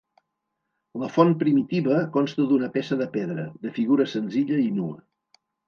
La font primitiva consta d'una peça de pedra, de figura senzilla i nua.